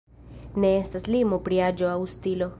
Ne estas limo pri aĝo aŭ stilo.